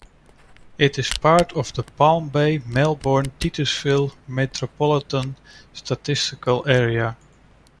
It is part of the Palm Bay-Melbourne-Titusville Metropolitan Statistical Area.